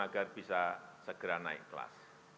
agar bisa segera naik kelas